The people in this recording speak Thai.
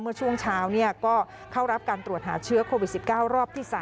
เมื่อช่วงเช้าก็เข้ารับการตรวจหาเชื้อโควิด๑๙รอบที่๓